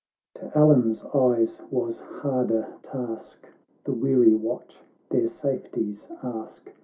XXVIII To Allan's eyes was harder task, The weary watch their safeties ask.